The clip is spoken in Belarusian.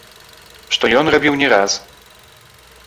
Што ён рабіў не раз.